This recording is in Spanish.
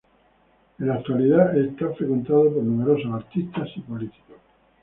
En la actualidad es frecuentado por numerosos artistas y políticos.